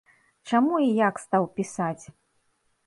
Чаму і як стаў пісаць?